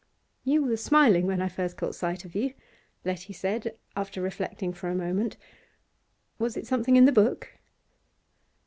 'You were smiling when I first caught sight of you,' Letty said, after reflecting for a moment. 'Was it something in the book?